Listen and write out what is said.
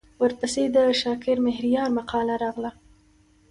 ورپسې د شاکر مهریار مقاله راغله.